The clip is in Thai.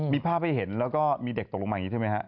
มีภาพให้เห็นแล้วก็มีเด็กตกลงมาอย่างนี้ใช่ไหมฮะ